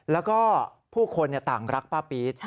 แล้วก็ผู้คนต่างรักป้าปี๊ด